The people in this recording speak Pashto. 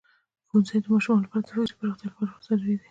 ښوونځی د ماشومانو لپاره د فکري پراختیا لپاره ضروری دی.